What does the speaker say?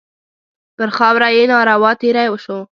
پر خاوره یې ناروا تېری وشو.